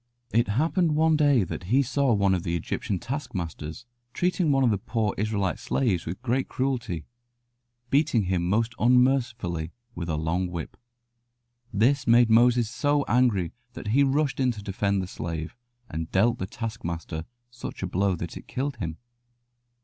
It happened one day that he saw one of the Egyptian taskmasters treating one of the poor Israelite slaves with great cruelty, beating him most unmercifully with a long whip. This made Moses so angry that he rushed in to defend the slave, and dealt the taskmaster such a blow that it killed him.